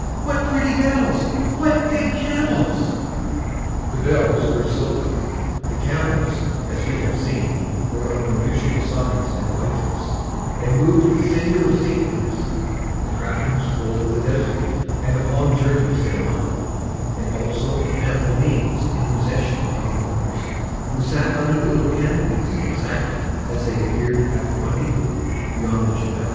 What pretty bells! What big camels!" The bells were silver; the camels, as we have seen, were of unusual size and whiteness, and moved with singular stateliness; the trappings told of the desert and of long journeys thereon, and also of ample means in possession of the owners, who sat under the little canopies exactly as they appeared at the rendezvous beyond the Jebel.